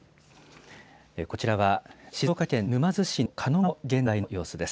こちらは静岡県沼津市の狩野川の現在の様子です。